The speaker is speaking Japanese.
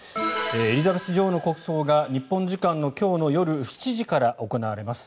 エリザベス女王の国葬が日本時間の今日夜７時から行われます。